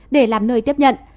để làm nơi tiếp nhận